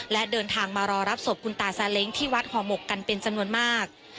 และเดินทางมารอรับศพคุณตาซาเล้งที่วัดห่อหมกกันเป็นจำนวนมาก